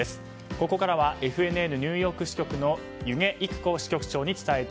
ここからはＦＮＮニューヨーク支局弓削いく子支局長です。